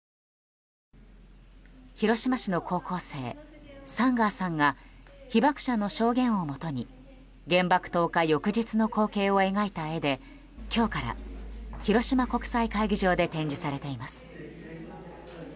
広島市の高校生、サンガーさんが被爆者の証言をもとに原爆投下翌日の光景を描いた絵で今日から広島国際会議場で展示されています。